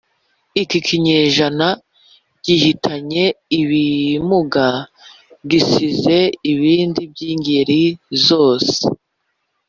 Iki kinyejana Gihitanye ibimuga gisize ibindi by'ingeri zose